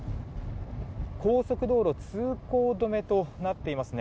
高速道路通行止めとなっていますね。